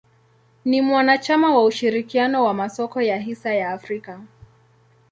Ni mwanachama wa ushirikiano wa masoko ya hisa ya Afrika.